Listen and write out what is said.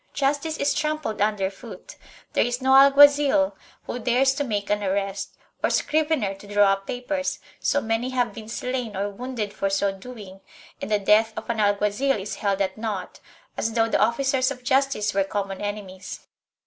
Justice is trampled under foot; there is no alguazil who dares to make an arrest, or scrivener to draw up papers, so many have been slain or wounded for so doing and the death of an alguazil is held at naught, as though the officers of justice were common enemies.